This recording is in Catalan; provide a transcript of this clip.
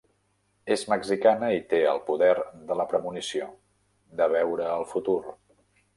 És mexicana i té el poder de la premonició, de veure el futur.